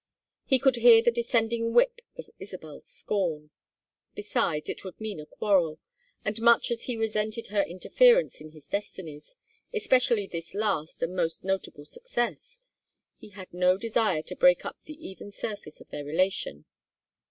He could hear the descending whip of Isabel's scorn. Besides, it would mean a quarrel, and much as he resented her interference in his destinies, especially this last and most notable success, he had no desire to break up the even surface of their relation.